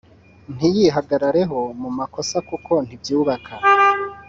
ntiyihagarareho mu makosa kuko ntibyubaka